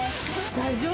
大丈夫？